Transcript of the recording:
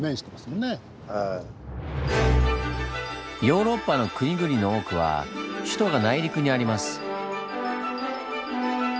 ヨーロッパの国々の多くは首都が内陸にあります。